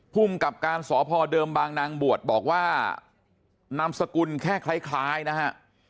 ภูมิกับการสพเดิมบางนางบวชบอกว่านามสกุลแค่คล้ายนะฮะ